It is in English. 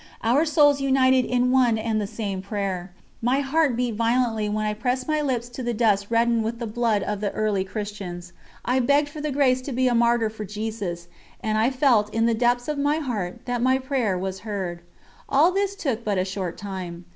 Our souls united in one and the same prayer. My heart beat violently when I pressed my lips to the dust reddened with the blood of the early Christians. I begged for the grace to be a martyr for Jesus, and I felt in the depths of my heart that my prayer was heard. All this took but a short time.